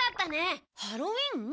ハロウィン？